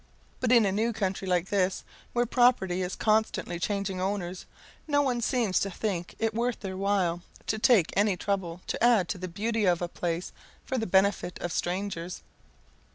But in a new country like this, where property is constantly changing owners, no one seems to think it worth their while to take any trouble to add to the beauty of a place for the benefit of strangers.